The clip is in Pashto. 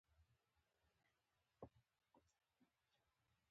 پکار ده تل له خلکو سره ښېګڼه وشي.